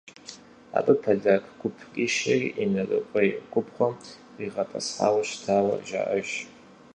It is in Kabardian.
Абы поляк гуп къишэри Инарыкъуей губгъуэм къригъэтӏысхьауэ щытауэ жаӏэж.